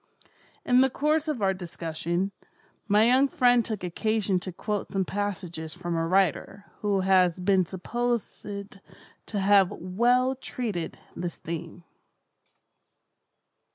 In the course of our discussion, my young friend took occasion to quote some passages from a writer who has been supposed to have well treated this theme.